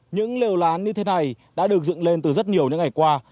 những lều lán như thế này đã được dựng lên từ rất nhiều những ngày qua